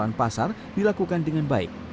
penerapan pasar dilakukan dengan baik